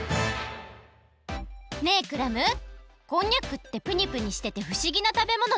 ねえクラムこんにゃくってプニプニしててふしぎなたべものだよね。